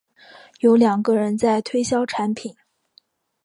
有两个人在推销产品